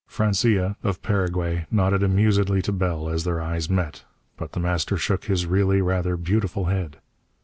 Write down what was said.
Francia, of Paraguay, nodded amusedly to Bell as their eyes met. But The Master shook his really rather beautiful head.